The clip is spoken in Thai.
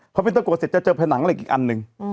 พอเป็นตะกรวดเสร็จจะเจอผนังเหล็กอีกอันหนึ่ง